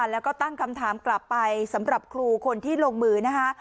แล้วก็ตั้งคำถามกลับไปสำหรับครูคนที่ลงมือนะคะ